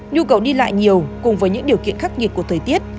nhu cầu đi lại nhiều cùng với những điều kiện khắc nghiệt của thời tiết